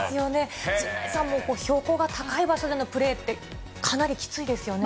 陣内さんも標高が高い場所でのプレーって、かなりきついですよね？